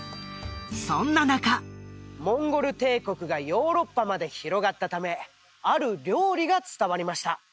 そんな中モンゴル帝国がヨーロッパまで広がったためある料理が伝わりました